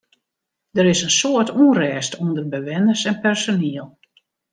Der is in soad ûnrêst ûnder bewenners en personiel.